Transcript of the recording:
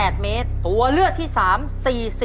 บีมยังไม่หมดหน้าที่จะเลือกให้ใครขึ้นมาต่อชีวิตเป็นคนต่อไป